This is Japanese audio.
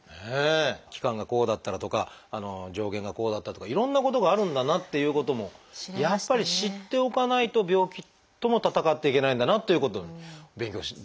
期間がこうだったらとか上限がこうだったとかいろんなことがあるんだなっていうこともやっぱり知っておかないと病気とも闘っていけないんだなということ勉強できますね。